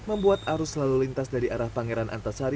membuat arus lalu lintas dari arah pangeran antasari